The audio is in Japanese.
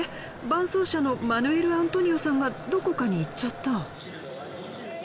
伴走者のマヌエルアントニオさんがどこかに行っちゃった。